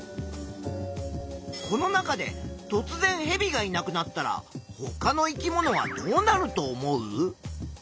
この中でとつぜんヘビがいなくなったらほかの生き物はどうなると思う？